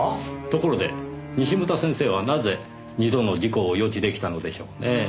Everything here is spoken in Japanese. ところで西牟田先生はなぜ二度の事故を予知出来たのでしょうねぇ。